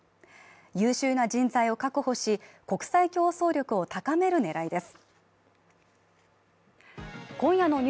優秀な人材を確保し、国際競争力を高める狙いです。